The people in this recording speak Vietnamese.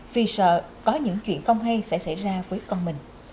vì sợ có những chuyện không hay sẽ xảy ra với con mình